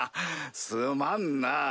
すまんなぁ。